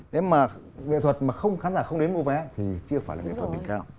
nếu mà nghệ thuật mà khán giả không đến mua vé thì chưa phải là nghệ thuật đỉnh cao